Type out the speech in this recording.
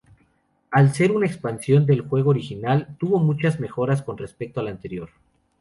Al ser una expansión del juego original, tuvo muchas mejoras con respecto al anterior.